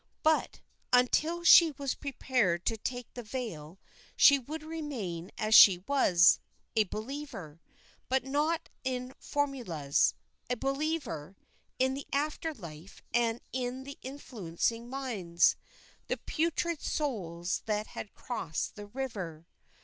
But until she was prepared to take the veil she would remain as she was a believer, but not in formulas a believer, in the after life and in the influencing minds, the purified souls that had crossed the river.